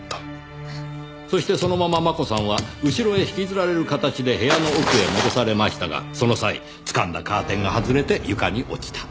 そしてそのまま真子さんは後ろへ引きずられる形で部屋の奥へ戻されましたがその際掴んだカーテンが外れて床に落ちた。